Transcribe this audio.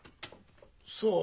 そう？